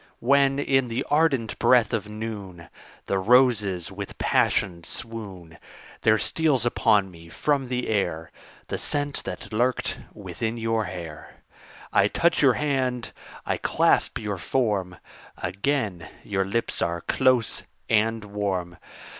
When, in the ardent breath of noon, The roses with passion swoon; There steals upon me from the air The scent that lurked within your hair; I touch your hand, I clasp your form Again your lips are close and warm.